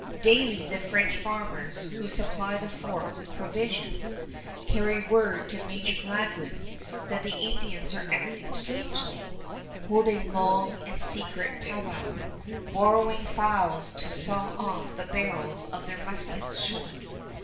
Daily the French farmers, who supply the fort with provisions, carry word to Major Gladwin that the Indians are acting strangely, holding long and secret powwow, borrowing files to saw off the barrels of their muskets short.